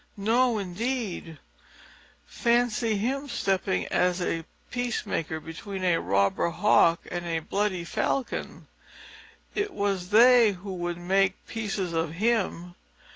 No, indeed! Fancy him stepping as a peacemaker between a robber Hawk and a bloody Falcon. It was they who would make pieces of him.